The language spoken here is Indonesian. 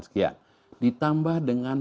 sekian ditambah dengan